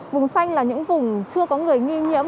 vùng xanh là những vùng chưa có người nghi nhiễm